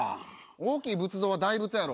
大きい仏像は大仏やろ。